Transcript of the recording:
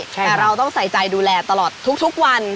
แต่เราต้องใส่ใจดูแลตลอดทุกวัน